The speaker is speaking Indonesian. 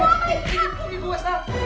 ibu kandi diibulkan sama kakoon si volunteer